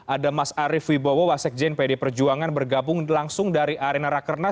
ada mas arief wibowo wasek jain pdi perjuangan bergabung langsung dari arena rakernas